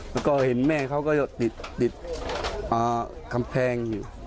แล้วก็เห็นแม่เขาก็ติดกำแพงอยู่